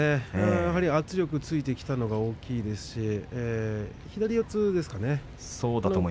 やはり圧力がついてきたのが大きいですし左四つですかね。